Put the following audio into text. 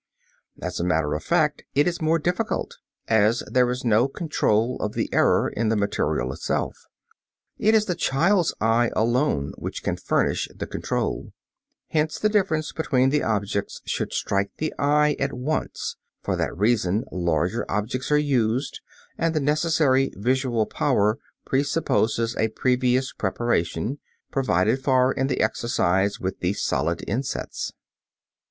As a matter of fact, it is more difficult, as there is no control of the error in the material itself. It is the child's eye alone which can furnish the control. Hence the difference between the objects should strike the eye at once; for that reason larger objects are used, and the necessary visual power presupposes a previous preparation (provided for in the exercise with the solid insets). [Illustration: FIG. 13. BOARD WITH ROUGH AND SMOOTH SURFACES.